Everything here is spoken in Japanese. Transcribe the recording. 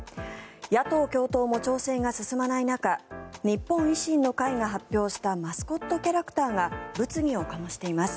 野党共闘も調整が進まない中日本維新の会が発表したマスコットキャラクターが物議を醸しています。